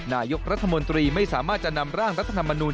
นายกรัฐมนตรีไม่สามารถจะนำร่างรัฐธรรมนูล